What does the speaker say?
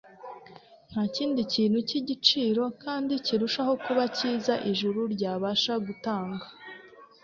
Nta kindi kintu cy'igiciro kandi kirushaho kuba cyiza ijuru ryabasha gutanga.